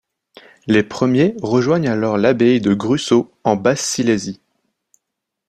Les premiers rejoignent alors l'abbaye de Grüssau en Basse-Silésie.